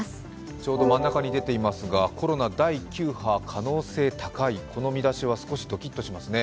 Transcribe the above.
ちょうど真ん中に出ていますがコロナ第９波可能性が高い、この見出しは少しドキッとしますね。